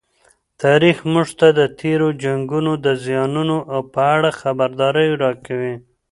تاریخ موږ ته د تېرو جنګونو د زیانونو په اړه خبرداری راکوي.